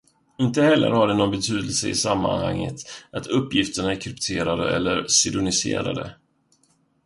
Inte heller har det någon betydelse i sammanhanget att uppgifterna är krypterade eller pseudonymiserade.